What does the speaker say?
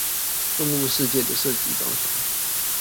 動物世界的射擊高手